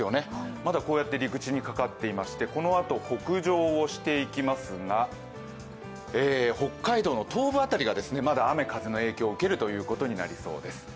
まだこうやって陸地にかかっていまして、このあと、北上をしていきますが北海道の東部辺りがまだ雨風の影響を受けることになりそうです。